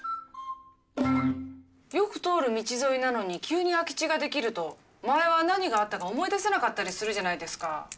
よく通る道沿いなのに急に空き地が出来ると前は何があったか思い出せなかったりするじゃないですか。